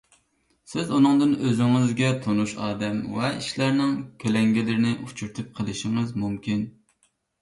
سىز ئۇنىڭدىن ئۆزىڭىزگە تونۇش ئادەم ۋە ئىشلارنىڭ كۆلەڭگىلىرىنى ئۇچرىتىپ قېلىشىڭىز مۇمكىن.